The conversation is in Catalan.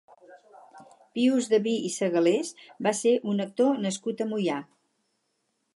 Pius Daví i Segalés va ser un actor nascut a Moià.